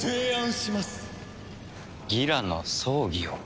ギラの葬儀を？